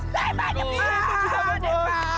tembak tembak tembak